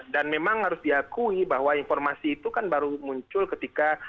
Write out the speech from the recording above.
dan memang harus diakui bahwa informasi itu kan baru muncul ketika